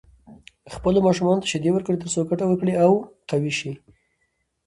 خپلو ماشومانو ته شيدې ورکړئ تر څو ګټه ورکړي او قوي شي.